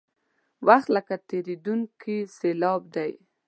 وخت لکه تېرېدونکې سیلاب دی.